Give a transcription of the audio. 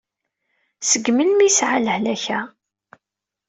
Seg melmi i sɛan lehlak-a?